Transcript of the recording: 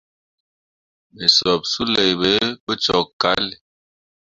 Me sup suley ɓe pu cok cahl.